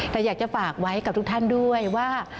แต่อยากจะฝากไว้กับทุกท่านด้วยว่า